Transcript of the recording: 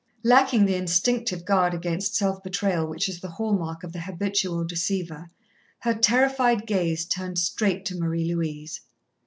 Lacking the instinctive guard against self betrayal which is the hall mark of the habitual deceiver, her terrified gaze turned straight to Marie Louise.